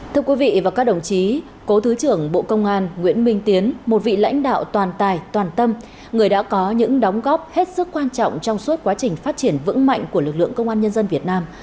thưa quý vị và các đồng chí cố thứ trưởng bộ công an nguyễn minh tiến một vị lãnh đạo toàn tài toàn tâm người đã có những đóng góp hết sức quan trọng trong suốt quá trình phát triển vững mạnh của lực lượng công an nhân dân việt nam